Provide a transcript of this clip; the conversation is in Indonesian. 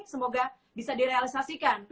semoga bisa direalisasikan